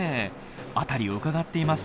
あたりをうかがっています。